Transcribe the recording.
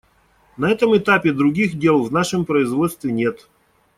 На этом этапе других дел в нашем производстве нет.